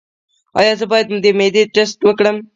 ایا زه باید د معدې ټسټ وکړم؟